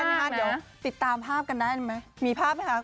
น้องมีล่านอานแล้วปิดตามภาพกันได้ไหมมีภาพเลยครับ